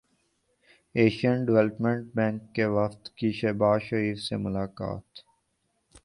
Asian development bank کے وفد کی شہباز شریف سے ملاقات